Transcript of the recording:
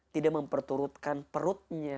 tidak memperturutkan perutnya